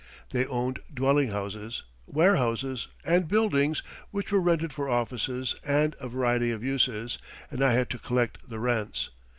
They owned dwelling houses, warehouses, and buildings which were rented for offices and a variety of uses, and I had to collect the rents.